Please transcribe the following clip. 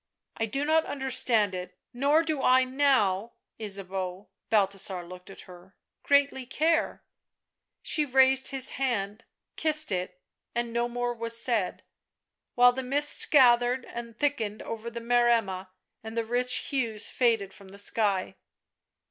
" I do not understand it. Nor do I now, Ysabeau," — Balthasar looked at her —" greatly care " She raised his hand, kissed it, and no more was said, while the mists gathered and thickened over the Maremma and the rich hues faded from the sky.